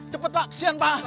cepet pak kasihan pak